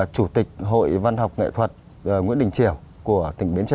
chủ tịch hội văn học nghệ thuật nguyễn đình triều của tỉnh biến tre